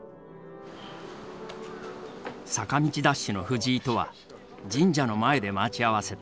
坂道ダッシュの藤井とは神社の前で待ち合わせた。